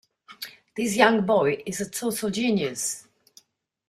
This young boy is a total genius.